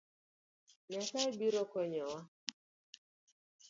Nyasaye biro konyowa